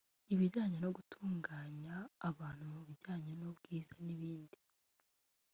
ibijyanye no gutunganya abantu mu bijyanye n’ubwiza n’ibindi